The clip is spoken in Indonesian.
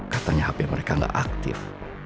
katanya hp mereka gak aktif